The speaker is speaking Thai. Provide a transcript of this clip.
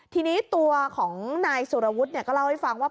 ทีนี้ตัวของนายสุรวุฒิก็เล่าให้ฟังว่า